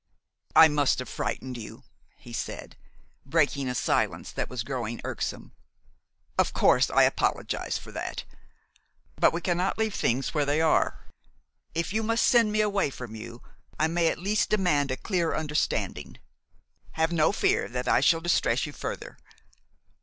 "I must have frightened you," he said, breaking a silence that was growing irksome. "Of course I apologize for that. But we cannot leave things where they are. If you must send me away from you, I may at least demand a clear understanding. Have no fear that I shall distress you further.